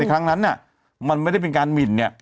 ครั้งนั้นมันไม่ได้เป็นการหมินเนี่ย